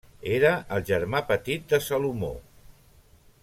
Era el germà petit de Salomó.